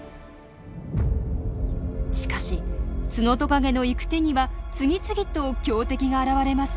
しかしツノトカゲの行く手には次々と強敵が現れます。